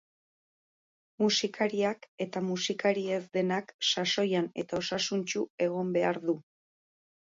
Musikariak eta musikari ez denak sasoian eta osasuntsu egon behar du.